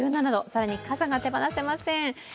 更に傘が手放せません。